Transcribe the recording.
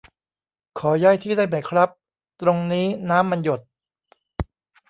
ขอย้ายที่ได้ไหมครับ ตรงนี้น้ำมันหยด